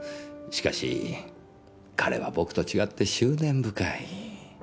しかし彼は僕と違って執念深い。